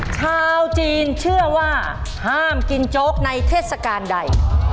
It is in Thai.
ชาวจีนเชื่อว่าห้ามกินโจ๊กในเทศกาลใด